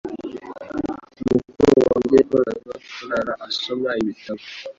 Mukuru wanjye yakundaga kurara asoma ibitabo